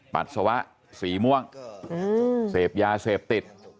ปัสสาวะสีม่วงเสพยาเสพติด